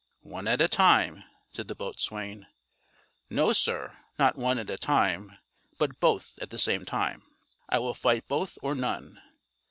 "One at a time," said the boatswain. "No, sir, not one at a time, but both at the same time, I will fight both or none.